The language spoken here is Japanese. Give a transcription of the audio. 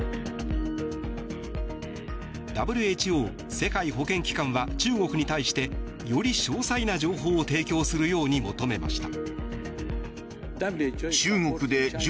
ＷＨＯ・世界保健機関は中国に対してより詳細な情報を提供するように求めました。